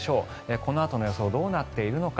このあとの予想どうなっているのか。